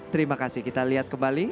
terima kasih kita lihat kembali